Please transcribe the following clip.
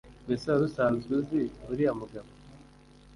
Mbese wari usanzwe uzi uriya mugabo